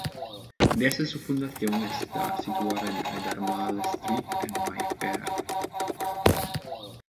Desde su fundación está situada en Albemarle Street en Mayfair.